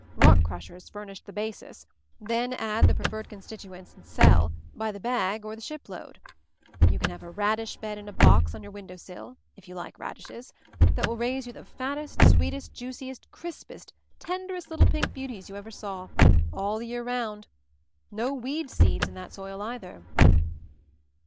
Rock crushers furnished the basis, then add the preferred constituents and sell, by the bag or the ship load. You can have a radish bed in a box on your win dow sill, if you like radishes, that will raise MOVING THE MOUNTAIN 181 you the fattest, sweetest, juiciest, crispiest, tenderest little pink beauties you ever saw — all the year round. No weed seeds in that soil, either."